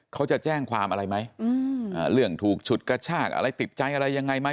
เขาจะแจ้งความอะไรไหมเรื่องถูกฉุดกระชากอะไรติดใจอะไรยังไงไหม